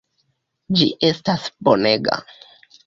Ĝi estas bonega.